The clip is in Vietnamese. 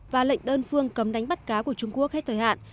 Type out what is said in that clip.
và lệnh đơn phương cấm đánh bắt cá của trung quốc hết thời hạn